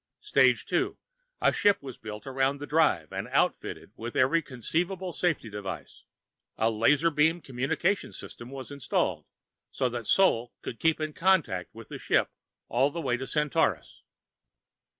Stage Two: A ship was built around the drive, and outfitted with every conceivable safety device. A laser beam communication system was installed, so that Sol could keep in contact with the ship all the way to Centaurus.